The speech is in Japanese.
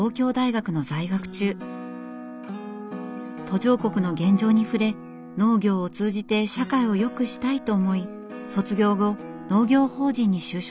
途上国の現状に触れ農業を通じて社会をよくしたいと思い卒業後農業法人に就職。